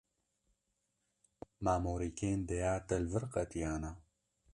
Ma morîkên dêya te li vir qetiyane.